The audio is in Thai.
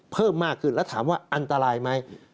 เพิ่มมากขึ้นแล้วถามว่าอันตรายไหม